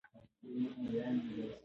لمر د انرژۍ ستره سرچینه ده.